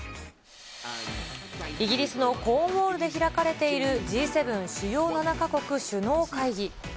イギリスのコーンウォールで開かれている、Ｇ７・主要７か国首脳会議。